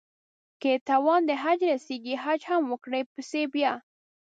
که يې توان د حج رسېږي حج هم وکړي پسې بيا